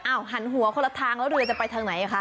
หันหัวคนละทางแล้วเรือจะไปทางไหนคะ